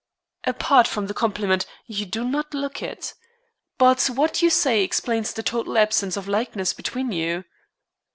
"Apart from the compliment, you do not look it. But what you say explains the total absence of likeness between you."